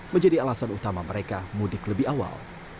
menjadi alasan utama mereka mudik lebih awal